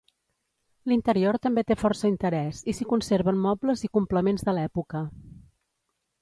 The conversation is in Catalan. L'interior també té força interès i s'hi conserven mobles i complements de l'època.